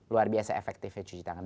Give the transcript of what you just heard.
luar biasa efektifnya cuci tangan